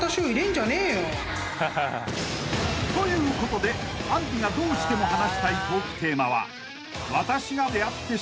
［ということであんりがどうしても話したいトークテーマは］